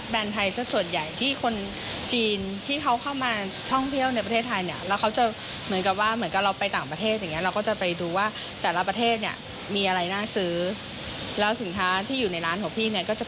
แบนไทยแซงก